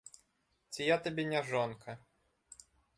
Ці я табе не жонка?